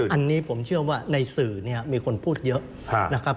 อันนี้ผมเชื่อว่าในสื่อเนี่ยมีคนพูดเยอะนะครับ